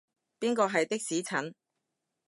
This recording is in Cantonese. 邊個係的士陳？